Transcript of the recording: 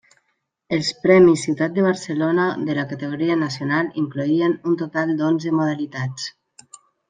Els premis Ciutat de Barcelona de la categoria nacional incloïen un total d'onze modalitats.